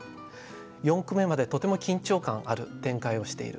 四句目までとても緊張感ある展開をしている。